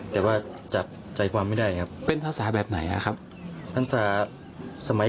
แต่ว่าจับใจความไม่ได้ครับเป็นภาษาแบบไหนครับภาษาสมัย